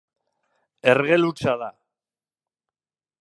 Ergel hutsa da.